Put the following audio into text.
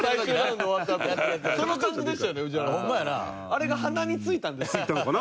あれが鼻についたんですか？